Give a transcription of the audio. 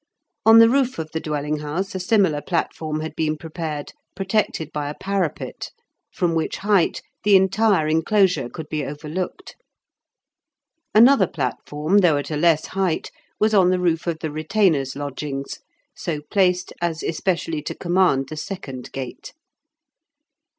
On the roof of the dwelling house a similar platform had been prepared, protected by a parapet; from which height the entire enclosure could be overlooked. Another platform, though at a less height, was on the roof of the retainers' lodgings, so placed as especially to command the second gate.